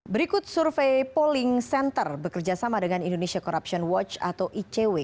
berikut survei polling center bekerjasama dengan indonesia corruption watch atau icw